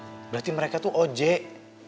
berarti mereka tuh ojek